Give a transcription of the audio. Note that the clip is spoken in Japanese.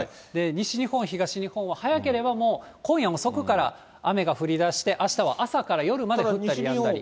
西日本、東日本は、早ければ、もう今夜遅くから雨が降りだして、あしたは朝から夜まで降ったりやんだり。